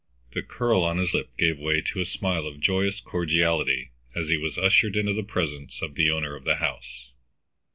The curl on his lip gave way to a smile of joyous cordiality as he was ushered into the presence of the owner of the house.